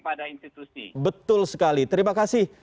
pada institusi betul sekali terima kasih